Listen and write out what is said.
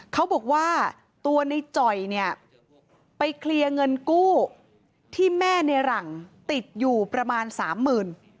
เขาบอกว่าตัวในจ่อยเนี่ยไปเคลียร์เงินกู้ที่แม่ในหลังติดอยู่ประมาณสามหมื่น